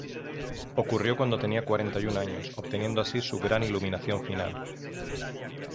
Ocurrió cuando tenía cuarenta y un años, obteniendo así su “Gran Iluminación final".